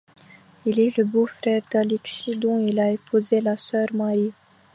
Il est le beau-frère d'Alexis dont il a épousé la sœur Marie.